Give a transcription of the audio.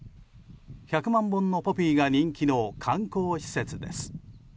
１００万本のポピーが人気の観光施設です。